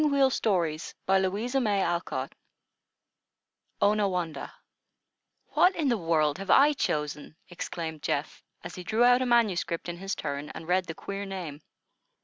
ONAWANDAH "What in the world have I chosen?" exclaimed Geoff, as he drew out a manuscript in his turn and read the queer name.